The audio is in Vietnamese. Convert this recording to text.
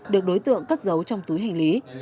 được đối tượng cất giấu trong túi hành lý